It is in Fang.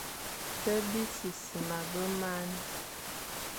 Ke besisima be marne,